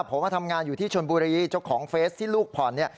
ผมมาทำงานอยู่ที่ชนบุรีเจ้าของเฟสที่ลูกผ่อนเนี่ย